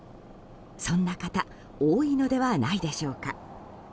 そんな方多いのではないでしょうか。